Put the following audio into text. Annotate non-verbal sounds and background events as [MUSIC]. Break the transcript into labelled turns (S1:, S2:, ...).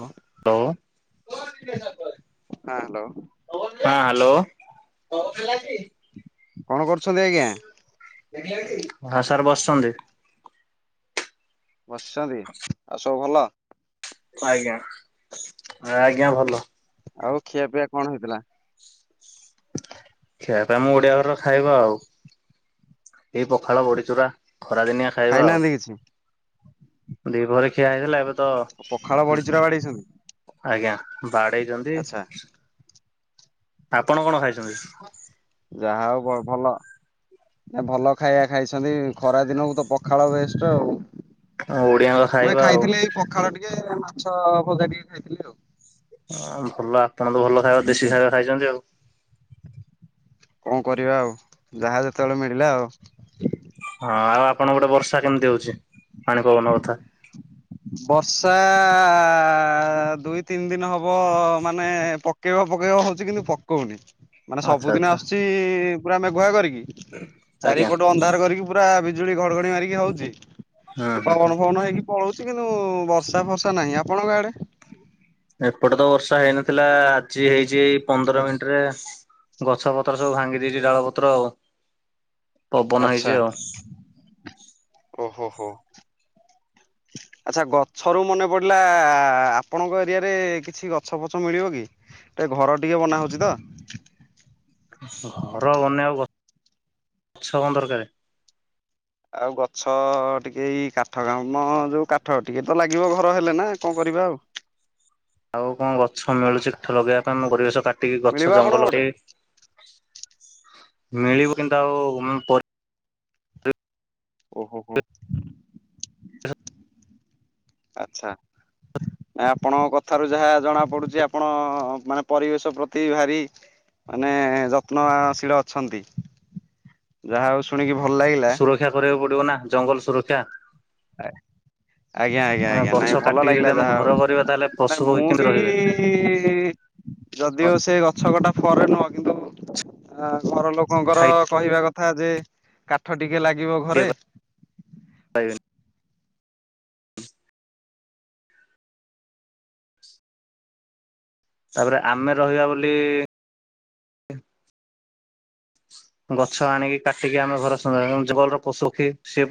S1: ହଁ ହ୍ୟାଲୋ
S2: [UNINTELLIGIBLE] ହଁ ହାଲୋ।
S1: କଣ କରୁଛନ୍ତି ଆଜ୍ଞା?
S2: ହଁ ସାର୍ ବସିଚନ୍ତି।
S1: ବସିଚନ୍ତି- ଆଉ ସବୁ ଭଲ?
S2: ଆଜ୍ଞା -ଆଜ୍ଞା ଭଲ।
S1: ଆଉ ଖିଆ ପିଆ କଣ ହେଇଥିଲା?
S2: ଖିଆପିଆ ଆମ ଓଡିଆ ଘରର ଖାଇବା ଆଉ। ଏଇ ପଖାଳ ବଡ଼ିଚୁରା ଖରାଦିନିଆ।
S1: ଖାଇନାହାନ୍ତି କିଛି?
S2: ଦି ପହରେ ଖିଆ ହେଇଗଲା ଏବେ ତ
S1: ପଖାଳ ବଡିଚୁରା ବାଡେଇଚନ୍ତି?
S2: ଆଜ୍ଞା ବାଡେଇଚନ୍ତି ଆପଣ କଣ ଖାଇଚନ୍ତି?
S1: ଯାହା ହଉ ଭ-ଭଲ। ଭ-ଭଲ ଖାଇବା ଖାଇଚନ୍ତି ଖରା ଦିନକୁ ତ ପଖାଳ ବେଷ୍ଟ ଆଉ।
S2: ଓଡିଆଙ୍କ
S1: ମୁଁ ଏ
S2: ଖାଇବା ଆଉ
S1: ଖାଇଥିଲି ଏଇ ପଖାଳ ଟିକେ ମାଛ ଭଜା ଟିକେ ଖାଇଥିଲି ଆଉ।
S2: ଭଲ ଆପଣ ତ ଭଲ ଖାଇବା ଦେଶୀ ଖାଇବା ଖାଇଚନ୍ତି ଆଉ।
S1: କଣ କରିବା ଆଉ ଯାହା ଯେତେବେଳେ ମିଳିଲା ଆଉ।
S2: ହଁ ଆଉ ଆପଣଙ୍କ ପଟେ ବର୍ଷା କେମିତି ହଉଚି- ପାଣି ପବନ କଥା?
S1: ବର୍ଷା-ଆ- ଦୁଇ ତିନି ଦିନ ହବ ମାନେ ପ ପକେଇବ ପକେଇବ ହଉଚି କିନ୍ତୁ ପକଉନି। ମାନେ
S2: ଆଚ୍ଛା
S1: ସବୁଦିନ
S2: ଆଚ୍ଛା
S1: ଆସୁଚି ପୁରା ମେଘୁଆ କରିକି
S2: ଆଜ୍ଞା
S1: ଚାରିପଟୁ ଅନ୍ଧାର କରିକି ପୁରା ବିଜୁଳି ଘଡଘଡି ମାରିକି ହଉଚି
S2: ହୁଁ
S1: ସେ
S2: ହୁଁ
S1: ପବନ
S2: ହୁଁ।
S1: ଫବନ ହେଇକି ପଳଉଚି। କିନ୍ତୁ ବର୍ଷା ଫର୍ଷା ନାହିଁ। ଆପଣଙ୍କ ଆଡେ?
S2: ଏପଟେ ତ ବର୍ଷା ହେଇନଥିଲା ଆଜି ହେଇଚି ଏଇ ପନ୍ଦର ମିନିଟ୍ ରେ ଗଛ ପତ୍ର ସବୁ ଭାଙ୍ଗି ଦେଇଚି ଡାଳପତ୍ର ଆଉ। ପବନ
S1: ଆଚ୍ଛା
S2: ହେଇଛି ଆଉ
S1: -ଓ -ହୋ- ହୋ। ଆଚ୍ଛା ଗଛରୁ ମନେ ପଡ଼ିଲା ଆପଣଙ୍କ ଏରିଆରେ କିଛି ଗଛ ଫଛ ମିଳିବ କି? ଏ ଘର ଟିକେ ବନା ହଉଚି ତ।
S2: ଘର ବନେଇବାକୁ ଗ-ଛ କଣ ଦରକାରେ?
S1: ଆଉ ଗଛ ଟିକେ ଏଇ କାଠ କାମ ଯଉ କାଠ ଟିକେ ତ ଲାଗିବ ଘର ହେଲେ ନା କଣ କରିବା ଆଉ।
S2: ଆଉ କଣ ଗଛ ମିଳୁଚି କାଠ ଲଗେଇବା ପାଇଁ ମୁଁ ପରିବେଶ କାଟିକି
S1: ମିଳିବ
S2: ଗଛ
S1: ଆପଣଙ୍କ
S2: ଜଙ୍ଗଲ
S1: ପଟେ?
S2: କରି ମିଳିବ ନି ତ ଆଉ ଉଁ ପ
S1: ଓହୋ ହୋ ହୋ [INAUDIBLE] ଆଛା। ଆପଣଙ୍କ କଥାରୁ ଯାହା ଜଣା ପଡୁଛି ଆପଣ ମାନେ ପରିବେଶ ପ୍ରତି ଭାରି ମାନେ ଯତ୍ନ ଶିଳ ଅଛନ୍ତି ଯାହା ହଉ ଶୁଣିକି ଭଲ ଲାଗିଲା।
S2: ରକ୍ଷା କରିବାକୁ ପଡିବ ନା ଜଙ୍ଗଲ ସୁରକ୍ଷା।
S1: ଆରେ ଆଜ୍ଞା ଆଜ୍ଞା ଆଜ୍ଞା
S2: ଗଛ
S1: ନାଇଁ ଭଲ
S2: କାଟିକି ଯଦି
S1: ଲାଗିଲା
S2: ଆମେ
S1: ଯାହା
S2: ଘର କରିବା
S1: ହଉ
S2: ତାହେଲେ ପଶୁ
S1: ନାଇଁ
S2: ପକ୍ଷୀ
S1: ମୁଁ
S2: କେମିତି
S1: ବି
S2: ରହିବେ
S1: କିଇ ଯଦି ଓ ସେ ଗଛ କଟା ଫର ରେ ନୁହଁ କିନ୍ତୁ ଆ ଘର ଲୋକ ଲୋକଙ୍କର
S2: ଛାଇ
S1: କହିବା କଥା ଯେ କାଠ ଟିକେ ଲାଗିବ ଘରେ।
S2: ପାଇବେ ତାପରେ ଆମେ ରହିବା ବୋଲି ଗଛ ଆଣିକି କାଟିକି ଆମେ ଘର ସଜାଉ ଜଙ୍ଗଲର ପଶୁ କି ସେ